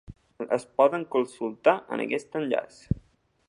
Es poden consultar en aquest enllaç.